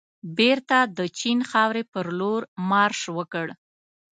بېرته د چین خاورې پرلور مارش وکړ.